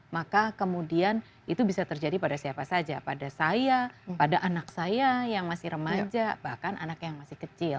maka kemudian itu bisa terjadi pada siapa saja pada saya pada anak saya yang masih remaja bahkan anak yang masih kecil